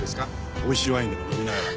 おいしいワインでも飲みながら。